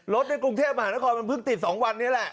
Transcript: รถในกรุงเทพฯอาหารกรมมันเพิ่งติดสองวันนี้แหละ